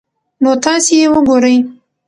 نو تاسي ئې وګورئ